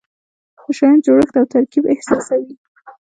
د شیانو جوړښت او ترکیب احساسوي.